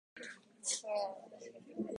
空気をお尻から吸ってみます。